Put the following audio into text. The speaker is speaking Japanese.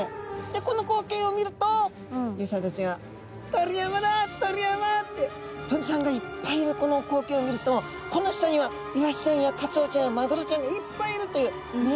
でこの光景を見ると漁師さんたちが「鳥山だあ鳥山！」って鳥さんがいっぱいいるこの光景を見るとこの下にはイワシちゃんやカツオちゃんやマグロちゃんがいっぱいいるという目安にされるわけですね。